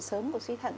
sớm của truy thật